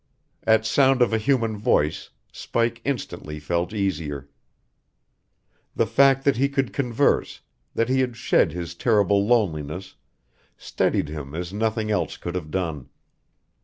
At sound of a human voice, Spike instantly felt easier. The fact that he could converse, that he had shed his terrible loneliness, steadied him as nothing else could have done.